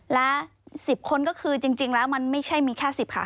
และ๑๐คนก็คือจริงแล้วมันไม่ใช่มีแค่๑๐ค่ะ